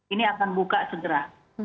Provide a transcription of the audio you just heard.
ini akan buka segera